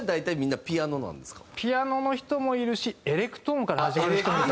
ピアノの人もいるしエレクトーンから始まる人も。